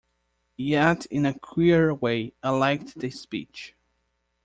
Yet in a queer way I liked the speech.